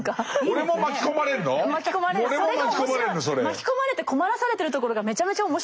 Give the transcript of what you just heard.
巻き込まれて困らされてるところがめちゃめちゃ面白いんですよ。